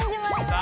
あ！